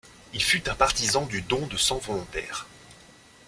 Il fut un partisan du don de sang volontaire.